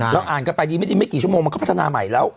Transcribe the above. อ่านกันไปดีไม่ดีไม่กี่ชั่วโมงมันก็พัฒนาใหม่แล้ว